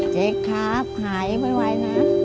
เจ๊ครับหายไวนะ